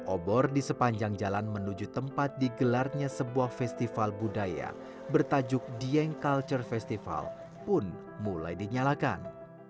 obor di sepanjang jalan menuju tempat digelarnya sebuah festival budaya bertajuk dieng culture festival pun mulai dinyalakan